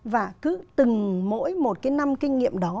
và cứ từng mỗi một cái năm kinh nghiệm đó